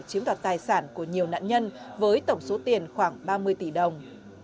chiếm đoạt tài sản của nhiều nạn nhân với tổng số tiền khoảng ba mươi tỷ đồng